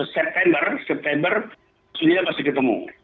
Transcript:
september surya masih ketemu